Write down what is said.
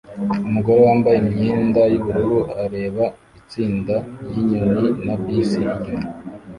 Umugore wambaye imyenda yubururu areba itsinda ryinyoni na bisi inyuma